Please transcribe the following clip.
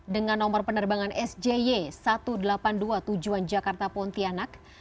dengan nomor penerbangan sjy satu ratus delapan puluh dua tujuan jakarta pontianak